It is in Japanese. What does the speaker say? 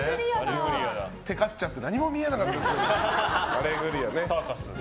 テカっちゃって何も見えなかったですけど。